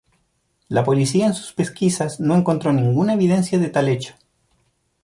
La policía en sus pesquisas no encontró ninguna evidencia de tal hecho.